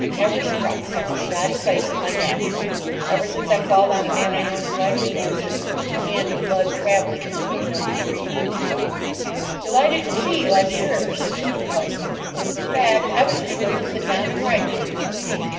Never struck such a shoddy place in my natural, ever since I called on a man I know slightly who was in "The Hand of Blood" travelling company No. 3 B. "Delighted to see you, I'm sure," said Mr. Cloyster. "In fact, I was just going to sit down and write to you."